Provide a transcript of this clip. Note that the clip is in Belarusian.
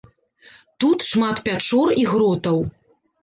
Тут шмат пячор і гротаў.